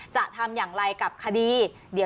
จะทำอย่างไรกับคดี